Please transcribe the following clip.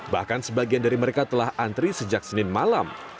bahkan sebagian dari mereka telah antri sejak senin malam